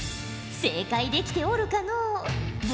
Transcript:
正解できておるかのう？